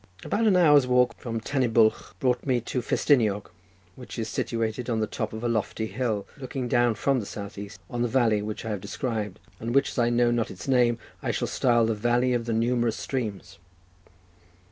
About an hour's walk from Tan y Bwlch brought me to Festiniog, which is situated on the top of a lofty hill looking down from the south east, on the valley which I have described, and which, as I know not its name, I shall style the Valley of the numerous streams.